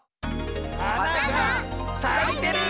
はながさいてる！